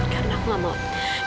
karena aku gak mau